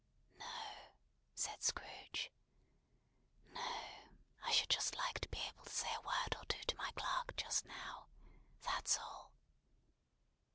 "No," said Scrooge, "No. I should like to be able to say a word or two to my clerk just now. That's all."